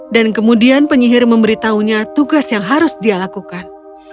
dan kemudian penyihir memberitahunya tugas yang harus dia lakukan